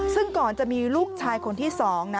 ซึ่งก่อนจะมีลูกชายคนที่๒นะ